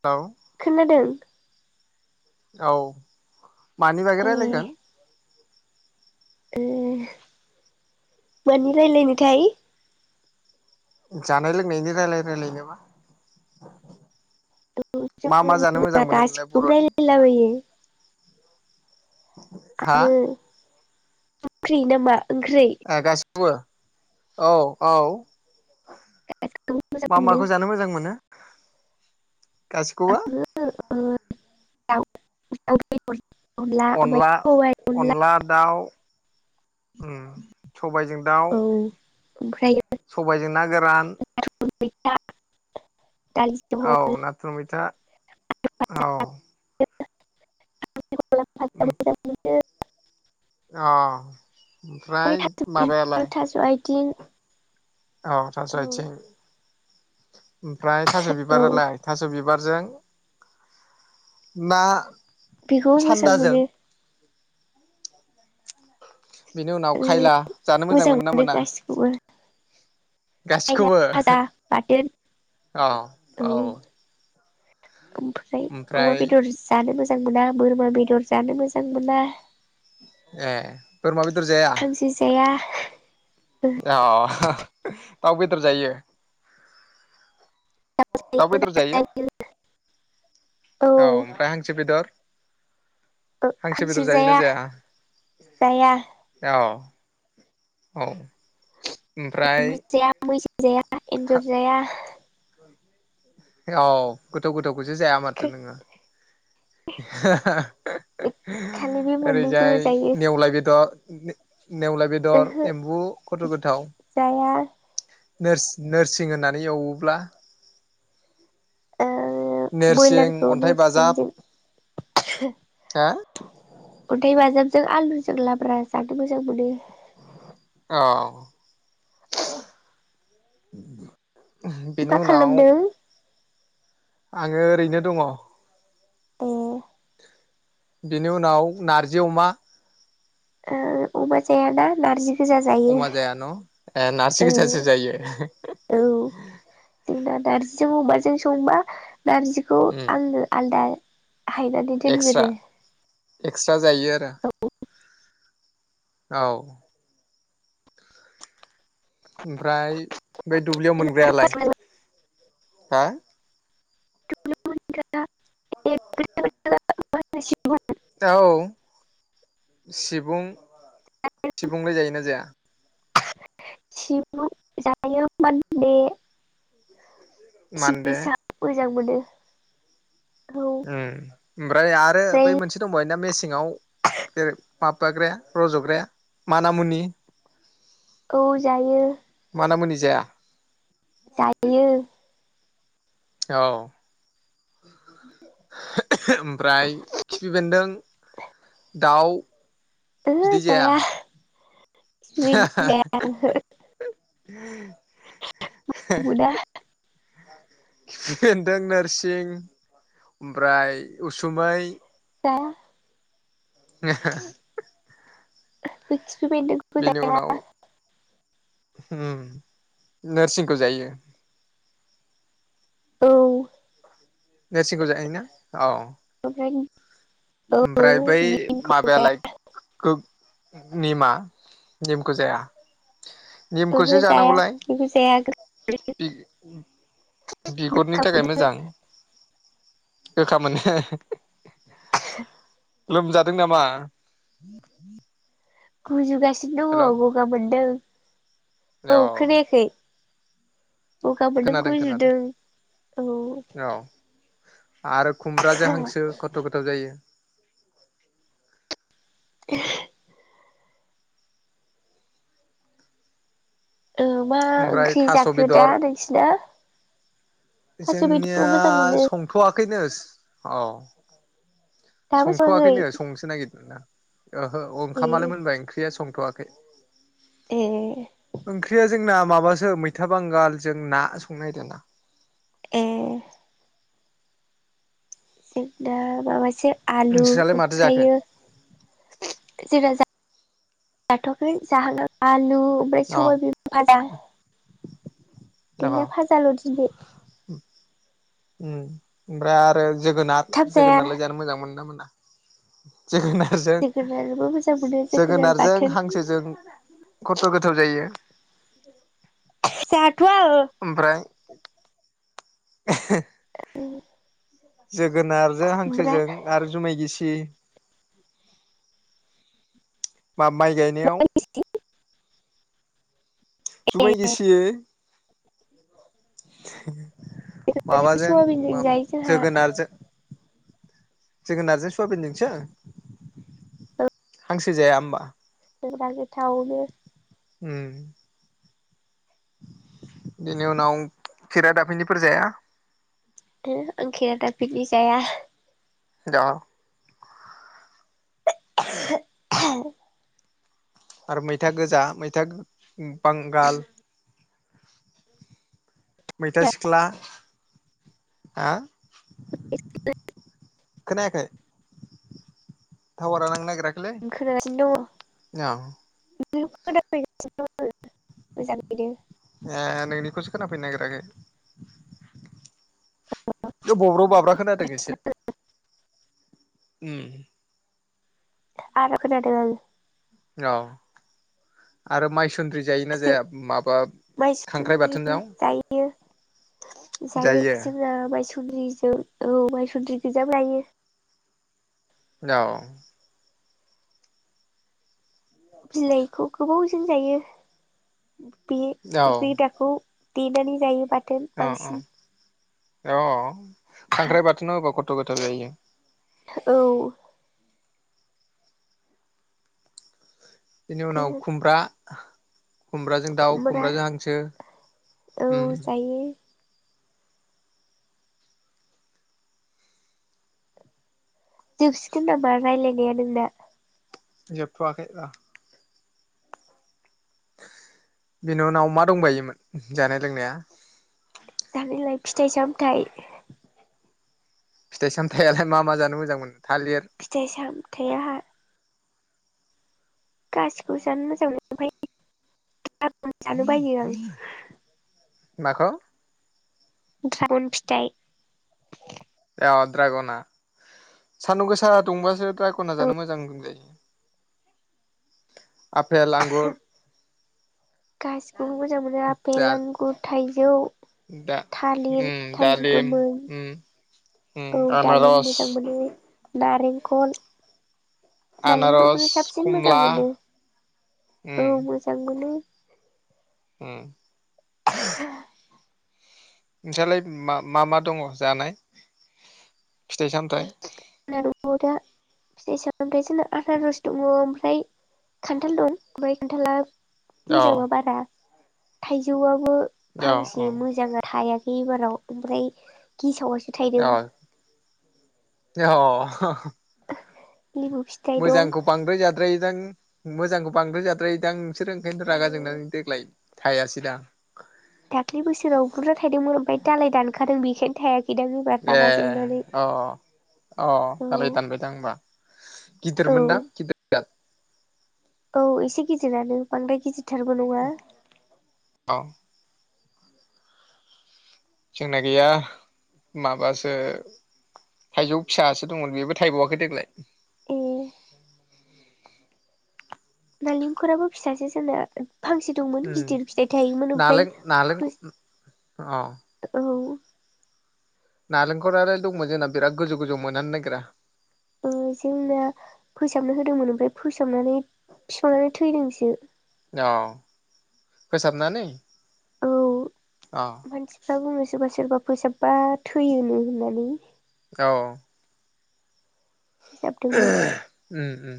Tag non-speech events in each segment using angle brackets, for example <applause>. औ खोनादों औ मानि बागै ए रायलायगोन? ओ मानि रायलायनोथाय? जानाय लोंनायनि रायलाय रायलायनोबा <unintelligible> गासिखोबो बर'नि रायलायला बायो हा आरो ओ <unintelligible> ख्रि नामा? ओंख्रै ओ गास बो औ औ गासिखौबो मोजां मा मोनो माखौ जानो मोजां मोनो? गासि आङो <unintelligible> ओ <inaudible> अनला अनला दाउ उम सबायजों दाउ औ ओमफ्राय सबायजों ना गोरान <inaudible> जहल औ नाथुर मैथा औ <unintelligible> <inaudible> अ <unintelligible> थास' आय थिं औ थास'आइथिं। ओमफ्राय थास' औ बिबारालाय थास' बिब बिबारजों ना बेखौबो मोजां सान्दाजों मोनो। बिनि उनाव ओ खायला जानो मोजां मोनो ना मोना? खायला गासिखौबो फाजा बाथोन अ औ। ओमफ्राय अमा बेदर जानो मोजां मोजां मोना बोरमा बेदर जानो मोजां मोना। ए बोरमा बेदर जाया? हांसो जाया दाउ बेदर जायो? दाउ बेदर जायो औ औ ओमफ्राय हांसो बेदर। हांसो बेदर जायोना जाया औ। औ। ओमफ्राय एम्बु जाया मैसो जाया एन्जर जाया। औ गोथाव गोथाव खौसो जाया माथो नोङो खालि बे ओरैजाय मोननैखौल' जायो नेउलाय बेदर। <inaudible> नेउलाय बेदर ओहो एम्बु खथ' गोथाव। जाया नोरसिं होनानै एवोब्ला नोरसिं बयलारखौ अन्थाइ बाजाब नेरसिनजों हा? अन्थाइ बाजाबजों आलुजों लाब्रा जानो मोजां मोनो। औ। <inaudible> बेनि मा उनाव खालामदों आङो ओरैनो दङ। ए बेनि उनाव नारजि अमा? ओ अमा जाया ना नारजि गोजा जायो अमा जाया न' नारजि ओ गोजासो जायो। नार्जिजों अमाजों संबा नारजिखौ उम आंनो आलादा हायना दोनग्रो। एक्स ता जायो आरो? औ। ओमफ्राय बैद दुब्लियाव मोनग्रालाय हा? <unintelligible> औ औ सिबुं सिबुंलाय जायो ना जाया? सिबु जायो मानदे मानदे जां मोनो। ओ ओमफ्राय आरो ओमफ्राय बै मोनसे दंबाव ना मेसेंयाव। माबाग्रे रज'ग्राया मानामुनि औ जायो। मानामुनि जाया जायो। औ ओमफ्राय खिफि बेन्दों दाउ ओहो जाया खिफिबेन्दों जाया ओहो <inaudible> खिफिबेन्दों नोरसिं ओमफ्राय उसुमै। दा। <inaudible> <unintelligible> बेनि जाया उनाव ह नोरसिंखौ जायो। औ नोरसिंखौ जायो ना औ। <inaudible> औ ओमफ्राय बै निमखौ जाया माबायालाय निमा निमखौ जाया ओहो निमखौसो जाया जानांगौलाय। बेखौ जाया बिगुरनि गोखा थाखाय मोनो मोजां गोखा मोनो। हे हे हे। <inaudible> लोमजादों नामा? खजुगासि नों हेलौ दं‌ गगा मोन्दों? औ खोनायाखै गगा मोनदों खोनादों खोनादों गुजुदों औ। औ आरो खुमब्राजों हांसो खथ' गोथाव जायो। <inaudible> ओ मा ओमफ्राय ओंख्रि थास' जाखो दा बेदर नोंसिना। थास' बेदरखौ जोंनिया मोजां मोनो संथ'वाखैनो औ। दाबो सङाखै संथ'वाखैनो संनोसो नागिरदों दा ओहो ओंखामालाय ए मोनबाय ओंख्रिया सं खाथ'आखै ए ओंख्रिया जोंना माबासो मैथा बांगाल जों ना संनो नागिरदों। ए जों दा माबासो आलु नोंसोरहालाय माथो जाखो ओमफ्रायो जोंहा जाथ'आखै जाहाना आलु ओमफ्राय अ सबाय बिमा फाजा अ गैला फाजाल'दिनै। ओमफ्राय आरो जोगोनार थाब जाया जोगोनारलाय जानो मोजां मोनो ना मोना? <inaudible> जोगोनारजों जोगोनारबो मोजां मोनो जोगोनार जोगोनारजों बाथोन हांसोजों खथ' गोथाव जायो। जाथ'वा ओमफ्राय <inaudible> जोगोनारजों खुमब्रा हांसोजों आरो जुमाय गिसि <inaudible> बा माइ गायनायाव जुमाय गिसियै <unintelligible> माबाजों सवाबिनजों जायो जोंहा जोगोनारजो सुवाबिनजोंसो हांसो जाया होमबा? <unintelligible> गोथाव उम बेनि उनाव खेरा दाफिनिफोर जाया? हो आं खेरादाफिनि जाया। दा ओ ओहो आह आरो मैथा गोजा मैथा बांगाल मैथा सिख्ला आ <inaudible> खोनायाखै टावारा नांनागिराखै आं खोनागासिनो दङ। <inaudible> <unintelligible> ए नोंनिखौसो खोनाफैनो नागिराखै <unintelligible> बब्र' बाब्रा खोनादों एसे उम <unintelligible> औ आरो माइ जों माइसुन्द्रि <inaudible> जायो जायो जोंआ माइसु सुन्द्रिजों औ माइसुन्द्रि गोजाबो लायो उनाव बिलाइखौ गोबावजों जायो बे औ बे रोदाखौ देननै जायो बाथ थोन औ बांसिन औ अ खांख्राइ बाथोनाव होबा कथ्थ' गोथाव जायो औ बिनि उनाव खुमब्रा <unintelligible> खुम्ब्राजों दाउ खुमब्रा खुम्ब्राजों हांसो औ जायो जोबसिगोन नामा रायलायनाया नोंना। जोबथआखै र। बेनि उनाव मादंबायोमोन जानाय लोंनाया। जानायलाय फिथाइ सामथाइ। फिथाइ सामथायालाय मा मा जानो मोजां मोनो। थालिर फिथाइ साम <unintelligible> <unintelligible> माखौ। द्रागन फिथाइ। अह द्रागना सानदुंगोसा दुंबासो द्रागना जानो मोजां जायो। आफेल आंगुर गासिखौबो मोजांमोनो आफेल दा आंगुर थाइज जौ। दा उम दालिम गोमोन उम। उम औ दालिम आनारस मोजां मोनो नारें। कल। आनारस नालेंखलखौनो साबसिन खमला मोजांमोनो औ उम मोजां मोनो। उम। <inaudible> नोंसालाय मा मा मा दङ जानाय फिथाइ सामथाइ। <unintelligible> फिथाइ सामथाय जोंना आनारस दङ ओमफ्राय खान्थाल दं ओमफ्राय खान्थाला। औ <unintelligible> थाइजौआव। औ फांसे मोजांङा थायाखै एबार। <unintelligible> ओमफ्राय गेसावास अह अह। अहह। <inaudible> फिथाइ दं मोजांखौ बांद्राय जाद्रायोदां। मोजांखौ बांद्राय जाद्रायोदां। नोंसोर ओंखायनोथ रागाजोंनानै देग्लाय। थायासै दा। दाखलि बोसोराव बुरजा थायदोंमोन ओमफ्राय दालाय दानखादों बेखायनो थायाखै। ए अह अह अह अह औ दालाय दानबायदां ओमबा गिदिरमोनदां औ गिदिरजाद। औ एसे गिदिरानो बांद्राय गिदिर बिथारबोनङा। अ जोंना गैया माबासो थाइजौ फिसासो दंमोन बेबो थायबावाखै देग्लाय। ए नालेंखराबो फिसासो जोनो। फांसे दंमोन उम गिदिर फिथाइ थायोमोन ओमफ्राय नालें नालेंखर फोस अ औ। नालेंखरार' दंमोन जोंना बिराद गोजौ - गोजौ मोनानो नागिरा। ओ जोंना फोसाबनो होदोंमोन ओमफाय फोसाबनानै बिफाङानो थैदोंसो। अ फोसाबनानै? औ अ मानसिफ्रा बुङो सोरबा सोरबा। फोसाबा थैयोनो होननानै। औ। फोसाबदोंमोन उ उ।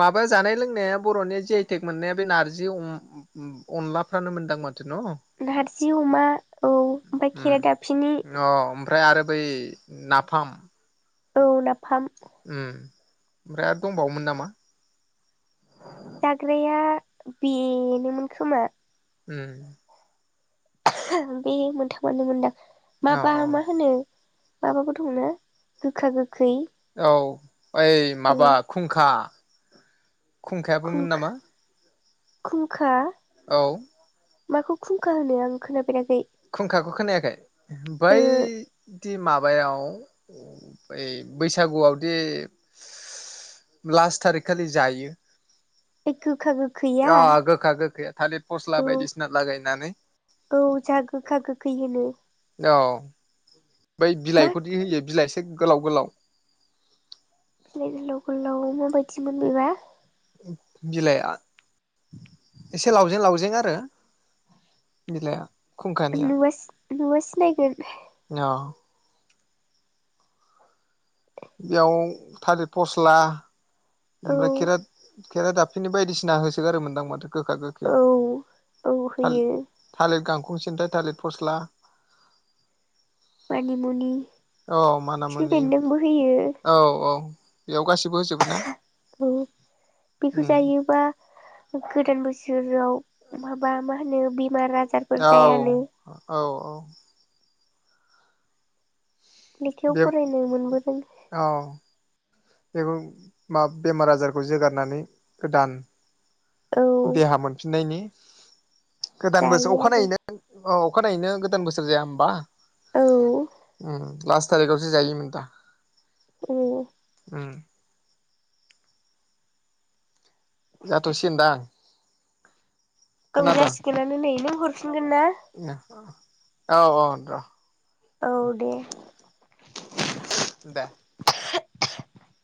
माबा जानाय लोंनाया बर'नि जे आइ टेक मोननाया बे नारजि अम ओ अनलाफ्रानो मोनदां मोन। नारजि अमा औ ओमफाय उम खेरा दाफीनि। अ ओमफ्राय आरो बै नाफाम औ नाफाम ओम ओमफ्राय आरो दंबावोमोन नामा? जाग्राया बेनोमोन खोमा। ओम। बे मोनथामानो मोन दां। औ माबा औ मा होनो? माबाबो दं ना गोखा गोखै। औ ओइ ओ माबा खुंखा। खुंखाया बोमोन खुंखा नामा? खुंखा? औ। माखौ खुंखा होनो आं खोना खुंखाखौ खोनायाखै ओ बैदि माबायाव बै बैसागुआवदि लास्ट थारिख खालि जायो। ए गोखा गोख अ गोखा गोखैया थालिर फस्ला औ बायदिसिना लागायनानै औ जा गोखा गोखै होनो औ। बै मा बिलाइखौदि होयो बिलाइस गोलाव गोलाव बिलाइ गोलाव गोलाव माबायदिमोन बेबा? बिलाइआ इसे लावजें लावजें आरो बिलाइआ। नुवास नुबा सिनायगोन। औ। बेयाव थालिर फस्ला। औ ओमफ्राय खेरात खेरा दाबफिनि बायदिसिना होसोगारोमोनदां माथो? गोखा औ गोखियाव औ थालि होयो थालिर गां हसेनथाइ थालित फस्ला मानिमुनि औ माना खिफि मुनि बेन्दोंबो होयो औ औ बेयाव गासिबो होजोबो ना औ बेखौ उम जायोबा गोदान बोस सोरआव माबा मा होनो बि औ औ औ <inaudible> लेखायाव बे फरायनो मोनबोदों। बेबो मा बेमार आजारखौ जोगारनानै गोदान औ देहा मोनफिननायनि गोदान बोसोर जायो आरो अखानायैनो अ अखानायैनो गोदान बोसोर जाया ओमबा औ उम लास्ट थारिखआवसो जायोमोन दा औ उम जाथ'सिगोन दा औ जासिगोनानो नै नों हरफिनगोन ना? औ औ र औ दे। दे <inaudible>